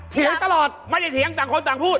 เถียงตลอดไม่ได้เถียงต่างคนต่างพูด